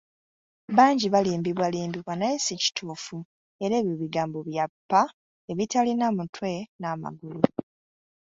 Bangi balimbwalimbwa naye si kituufu era ebyo bigambo bya ppa ebitalina mutwe n'amagulu.